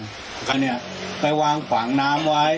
ก็เนี่ยไปวางขวางน้ำไว้